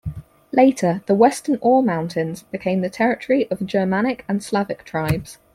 Later, the western Ore Mountains became the territory of Germanic and Slavic tribes.